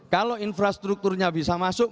kalau infrastrukturnya bisa masuk